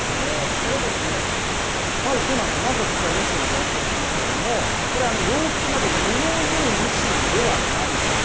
これですね、まずはこちら、ミシン、ご覧いただきますけれども、これ、洋服など、布を縫うミシンではないんですね。